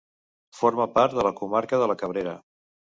Forma part de la comarca de La Cabrera.